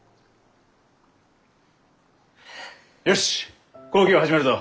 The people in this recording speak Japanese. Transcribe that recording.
よし講義を始めるぞ！